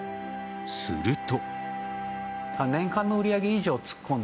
すると。